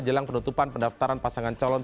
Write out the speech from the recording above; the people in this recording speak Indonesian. jelang penutupan pendaftaran pasangan calon